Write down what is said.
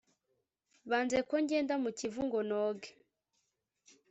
Banze ko ngenda mu kivu ngo noge